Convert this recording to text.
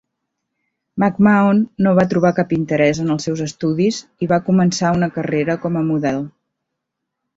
McMahon no va trobar cap interès en els seus estudis i va començar una carrera com a model.